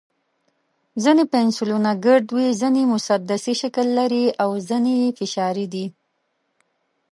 ځینې پنسلونه ګرد وي، ځینې مسدسي شکل لري، او ځینې یې فشاري دي.